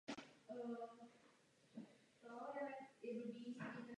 Tuto otázku vzneslo mnoho řečníků.